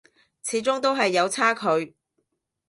始終都係有差距